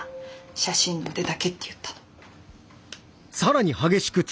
写真の腕だけって言ったの。